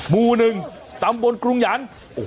มูลหนึ่งตามบนกรุงหยัน